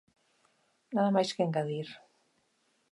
Nada máis que engadir.